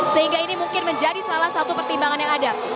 sehingga ini mungkin menjadi salah satu pertimbangan yang ada